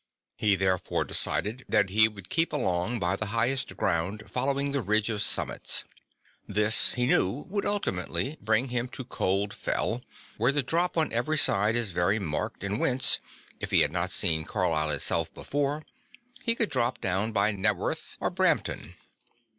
He therefore decided that he would keep along by the highest ground following the ridge of summits. This he knew would ultimately bring him to Cold Fell, where the drop on every side is very marked and whence, if he had not seen Carlisle itself before, he could drop down by Naworth or Brampton.